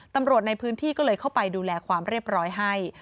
ตำรวจในพื้นที่ก็เลยเข้าไปดูแลความเรียบร้อยให้